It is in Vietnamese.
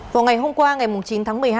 vào ngày hôm qua ngày chín tháng một mươi hai